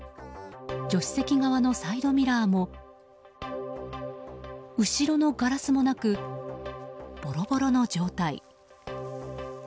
助手席側のサイドミラーも後ろのガラスもなくぼろぼろの状態。